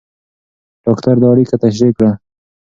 ډاکټر دا اړیکه تشریح کړه.